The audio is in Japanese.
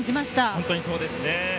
本当にそうですね。